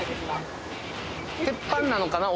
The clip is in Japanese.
鉄板なのかな